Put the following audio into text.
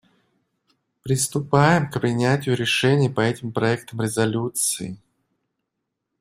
Приступаем к принятию решений по этим проектам резолюций.